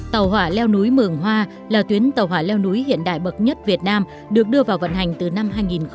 tàu hỏa leo núi mường hoa là tuyến tàu hỏa leo núi hiện đại bậc nhất việt nam được đưa vào vận hành từ năm hai nghìn một mươi